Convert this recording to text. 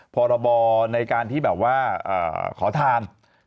พรบในการที่แบบว่าขอทาน